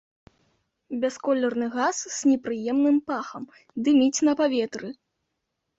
Бясколерны газ з непрыемным пахам, дыміць на паветры.